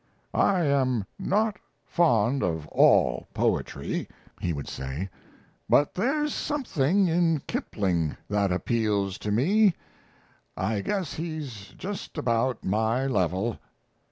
"I am not fond of all poetry," he would say; "but there's something in Kipling that appeals to me. I guess he's just about my level."